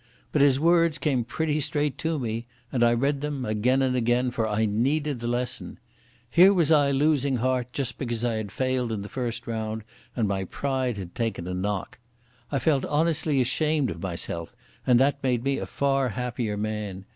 But his words came pretty straight to me, and I read them again and again, for I needed the lesson. Here was I losing heart just because I had failed in the first round and my pride had taken a knock. I felt honestly ashamed of myself, and that made me a far happier man.